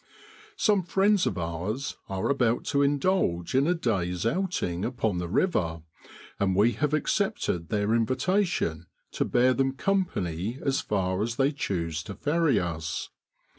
Some friends of ours are about to indulge in a day's out ing upon the river, and we have accepted their invitation to bear them company as far as they choose to ferry us.